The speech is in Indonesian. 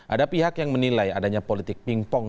ada pihak yang menilai adanya politik pingpong